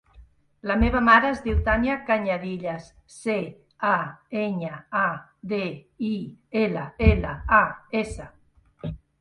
La meva mare es diu Tània Cañadillas: ce, a, enya, a, de, i, ela, ela, a, essa.